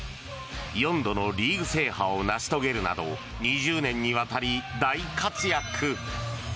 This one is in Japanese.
４度のリーグ制覇を成し遂げるなど２０年にわたり大活躍。